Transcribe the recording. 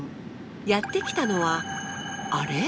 やって来たのはあれ？